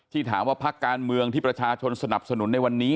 ถามว่าพักการเมืองที่ประชาชนสนับสนุนในวันนี้